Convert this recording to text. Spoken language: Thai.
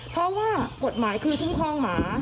เพราะว่ากฎหมายคือคุ้มครองหมา